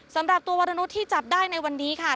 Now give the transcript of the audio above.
สำหรับตัววรนุษย์ที่จับได้ในวันนี้ค่ะ